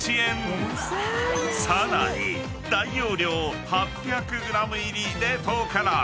［さらに大容量８００ｇ入り冷凍唐揚げ］